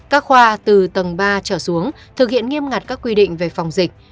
các khoa từ tầng ba trở xuống thực hiện nghiêm ngặt các quy định về phòng dịch